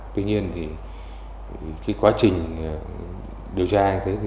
tuy nhiên khi quá trình điều tra